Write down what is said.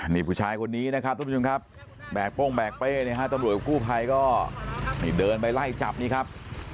นี่ผู้ชายคนนี้นะครับทุกผู้ชมครับแบกโป้งแบกเป้เนี่ยฮะตำรวจกู้ภัยก็นี่เดินไปไล่จับนี่ครับ